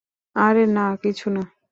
আরে না, কিছু না।